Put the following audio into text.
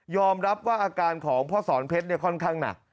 รับว่าอาการของพ่อสอนเพชรค่อนข้างหนัก